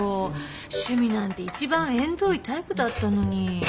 趣味なんて一番縁遠いタイプだったのに。